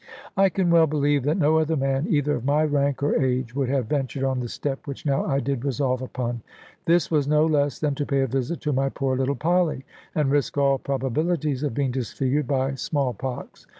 I can well believe that no other man, either of my rank or age, would have ventured on the step which now I did resolve upon. This was no less than to pay a visit to my poor little Polly, and risk all probabilities of being disfigured by small pox.